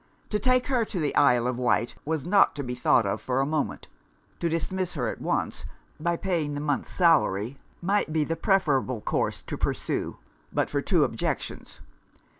To take her to the Isle of Wight was not to be thought of for a moment. To dismiss her at once, by paying the month's salary, might be the preferable course to pursue but for two objections.